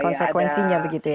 konsekuensinya begitu ya